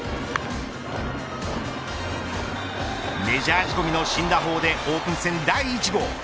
メジャー仕込みの新打法でオープン戦第１号。